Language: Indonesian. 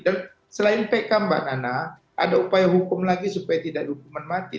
dan selain pk mbak nana ada upaya hukum lagi supaya tidak hukuman mati